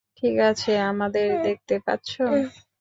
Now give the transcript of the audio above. ঠিক আছে, আমাদের দেখতে পাচ্ছ?